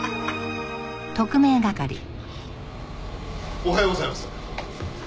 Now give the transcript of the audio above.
おはようございます。